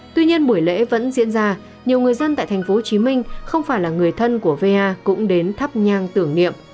tuy nhiên buổi lễ vẫn diễn ra nhiều người dân tại tp hcm không phải là người thân của va cũng đến thắp nhang tưởng niệm